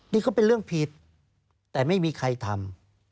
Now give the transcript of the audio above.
นี่ก็เป็นเรื่องผิดแต่ไม่มีใครทำ